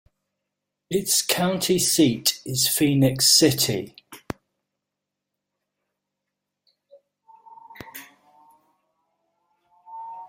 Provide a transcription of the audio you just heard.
Its county seat is Phenix City.